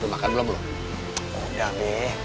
lo makan belum belum